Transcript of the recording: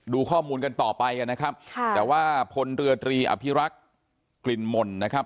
ดูข้อมูลกันต่อไปนะครับค่ะแต่ว่าพลเรือตรีอภิรักษ์กลิ่นมนต์นะครับ